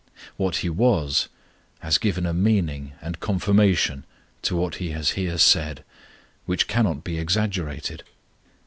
What he was has given a meaning and confirmation to what he has here said, which cannot be exaggerated.